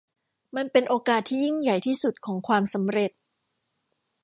มันเป็นโอกาสที่ยิ่งใหญ่ที่สุดของความสำเร็จ